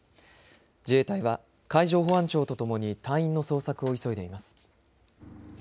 自衛隊は海上保安庁とともに隊員の捜索を急いでいます。